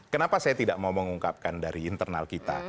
kenapa saya tidak mau mengungkapkan dari internal kita